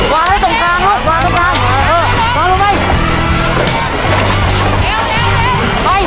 วางให้ตรงกลางลูกโอ้มไป